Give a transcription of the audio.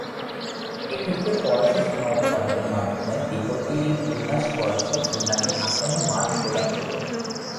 এক্ষেত্রে পয়সোঁ সীমা উপপাদ্যের মাধ্যমে দ্বিপদী বিন্যাস পয়সোঁ বিন্যাসের আসন্ন মান প্রদান করবে।